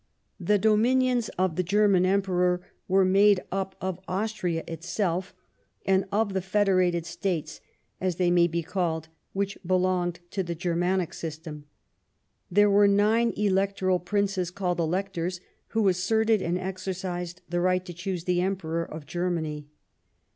The dominions of the German Emperor were made up of Austria itself and of the federated states, as they may be called, which belonged to the Qermanic system. There were nine electoral princes, called Electors, who asserted and exercised the right to choose the Emperor of Germany.